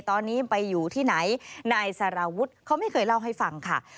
ตอนนี้ไปอยู่ที่ไหนนายสารวุฒิเขาไม่เคยเล่าให้ฟังค่ะ